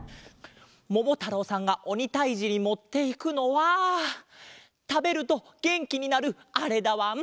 ももたろうさんがおにたいじにもっていくのはたべるとげんきになるあれだわん。